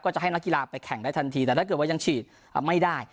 จะให้นักกีฬาไปแข่งได้ทันทีแต่ถ้าเกิดว่ายังฉีดไม่ได้